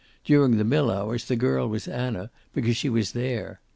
During the mill hours the girl was Anna, because she was there.